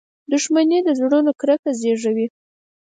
• دښمني د زړونو کرکه زیږوي.